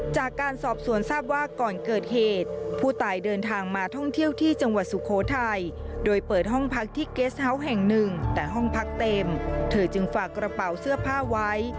จากการสอบสวนทราบว่าก่อนเกิดเหตุผู้ตายเดินทางมาท่องเที่ยวที่จังหวัดสุโขทัยโดยเปิดห้องพักที่เกสเฮาส์แห่งหนึ่งแต่ห้องพักเต็มเธอจึงฝากกระเป๋าเสื้อผ้าไว้